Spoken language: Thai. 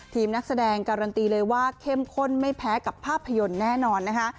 นักแสดงการันตีเลยว่าเข้มข้นไม่แพ้กับภาพยนตร์แน่นอนนะคะ